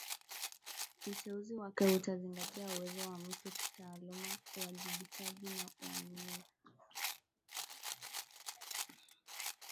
Uteuzi wake utazingatia uwezo wa mtu kitaaluma uwajibikaji na uaminifu